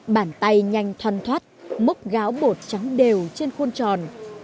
bàn tay nhanh thoan thoát múc gáo bột trắng đều trên khuôn tròn